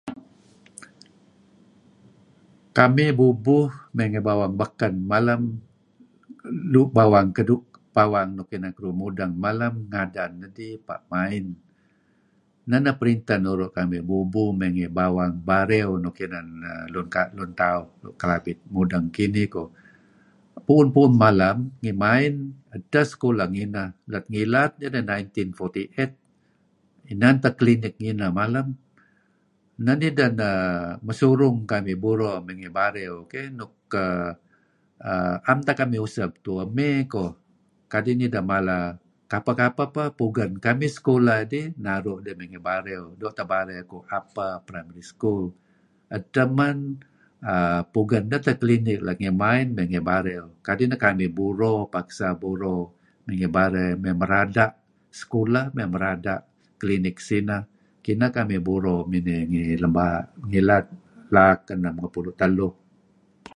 Kamih bubuh may ngi bawang baken malem nuk bawang inan keduih mudeng malem ngadan nedih Pa' Main. Neh nah printah nuru; kamih bubuh may ngi bawang Bario nuk inan tauh Lun Kelabit mudeng kinih koh. Puun-puun malem, ngi Min edteh sekolah ngineh ngilad nineh 1948. Inan teh clinic ngineh malem. Neh nideh neh mesurung kamih buro may Barion keh kadi' uhm naem teh kamih useb emey koh. Kadi' nideh mala, kapeh-kaeh koh pugen kamih seklah ih naru' ngi Bario, doo' teh Bario kuh Upper Primary School. Edteh man pugen deh teh clinic gi Main may Bario. Kadi' kamih paksa buro may Bario may merada' sekolahm may marada' clinic sineh. Kineh kamih buro miney ngi Lembaa' ngilad, laak Enm Ngepulu' Teluh.